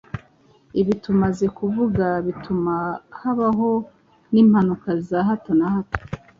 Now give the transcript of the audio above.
Ibi tumaze kuvuga bituma habaho n’impanuka za hato na hato